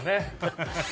ハハハ。